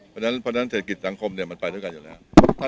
เพราะฉะนั้นเศรษฐกิจสังคมมันไปด้วยกันอยู่แล้ว